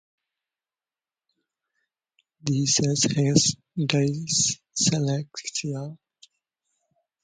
Theiss has dyslexia.